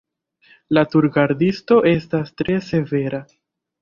La turgardisto estas tre severa.